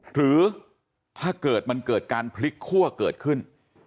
หรือถ้าเกิดมันเกิดการพลิกคั่วเกิดขึ้น